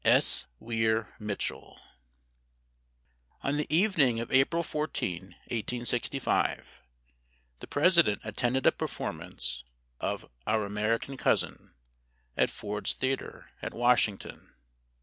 S. WEIR MITCHELL. On the evening of April 14, 1865, the President attended a performance of "Our American Cousin," at Ford's Theatre, at Washington.